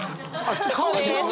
顔が違うな！